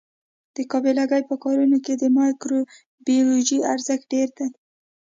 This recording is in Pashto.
د قابله ګۍ په کارونو کې د مایکروبیولوژي ارزښت ډېر دی.